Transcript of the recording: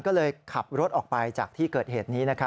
ก็เลยขับรถออกไปจากที่เกิดเหตุนี้นะครับ